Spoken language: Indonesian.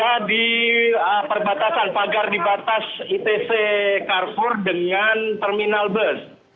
ada di perbatasan pagar di batas itc carrefour dengan terminal bus